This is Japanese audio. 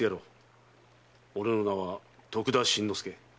俺の名は徳田新之助。